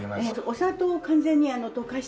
お砂糖を完全に溶かして。